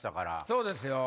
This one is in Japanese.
そうですよ